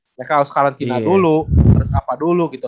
mereka harus karantina dulu harus apa dulu gitu